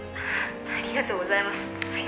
「ありがとうございます。